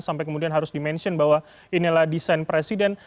sampai kemudian harus di mention bahwa inilah desain presiden